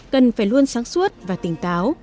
cần phải luôn sáng suốt và tỉnh táo